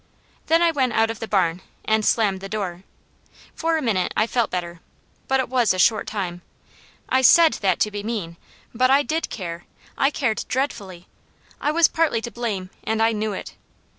Then I went out of the barn and slammed the door. For a minute I felt better; but it was a short time. I SAID that to be mean, but I did care. I cared dreadfully; I was partly to blame, and I knew it.